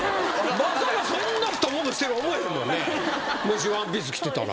まさかそんな太ももしてる思えへんもんねもしワンピース着てたら。